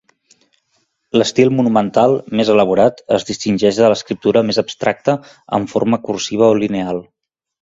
L'estil monumental, més elaborat, es distingeix de l'escriptura més abstracta en forma cursiva o lineal.